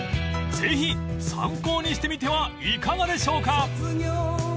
［ぜひ参考にしてみてはいかがでしょうか？］